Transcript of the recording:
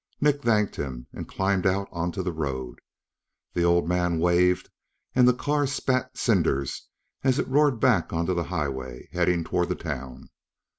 Nick thanked him and climbed out onto the road. The old man waved and the car spat cinders as it roared back onto the highway, heading toward the town.